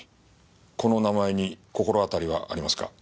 この名前に心当たりはありますか？